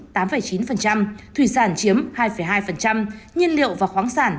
thủy sản chiếm hai hai nhiên liệu và khoáng sản